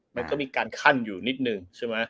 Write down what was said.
มันก็มีการคั่นอยู่นิดนึง